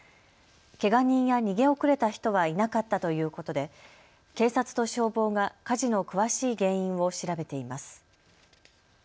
けが人や逃げ遅れた人はいなかったということで警察と消防が火事の詳しい原因を調べています。